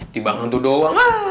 tiba hantu doang